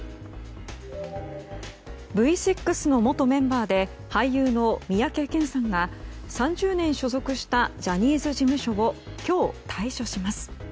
Ｖ６の元メンバーで俳優の三宅健さんが３０年所属したジャニーズ事務所を今日、退所します。